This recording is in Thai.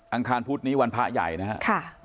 องคารพุธนี้วันพระใหญ่นะครับ